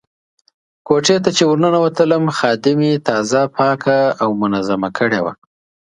کوټې ته چې ورننوتلم خادمې تازه پاکه او منظمه کړې وه.